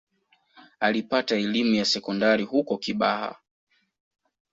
Alipata elimu ya sekondari huko Kibaha